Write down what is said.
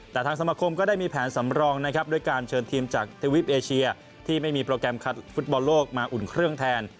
แต่ทางสมคมก็ได้มีแผนสำรองนะครับด้วยการเชิญทีมจากเทวีปเอเชียที่ไม่มีโปรแกรมคัดฟุตบอลโลกมาอุ่นเครื่องแทน